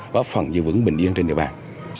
và phần giữ vững bình yên trên địa bàn